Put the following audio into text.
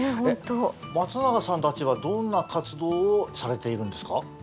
松永さんたちはどんな活動をされているんですか？